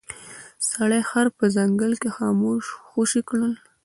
سړي خر په ځنګل کې خوشې کړ.